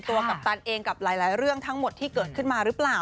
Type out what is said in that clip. กัปตันเองกับหลายเรื่องทั้งหมดที่เกิดขึ้นมาหรือเปล่า